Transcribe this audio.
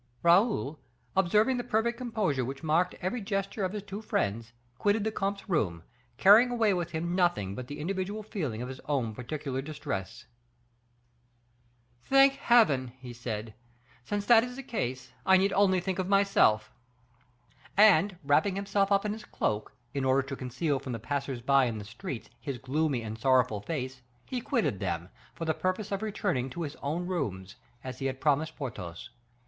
Raoul, observing the perfect composure which marked every gesture of his two friends, quitted the comte's room, carrying away with him nothing but the individual feeling of his own particular distress. "Thank Heaven," he said, "since that is the case, I need only think of myself." And wrapping himself up in his cloak, in order to conceal from the passers by in the streets his gloomy and sorrowful face, he quitted them, for the purpose of returning to his own rooms, as he had promised Porthos.